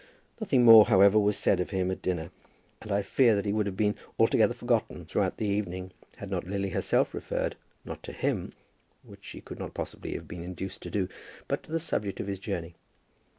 Nothing more, however, was said of him at dinner, and I fear that he would have been altogether forgotten throughout the evening, had not Lily herself referred, not to him, which she could not possibly have been induced to do, but to the subject of his journey.